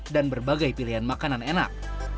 dan berbagai pilihan makanan enak